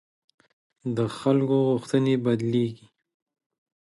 د خلکو غوښتنې بدلېږي